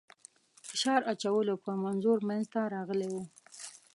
فشار اچولو په منظور منځته راغلی وو.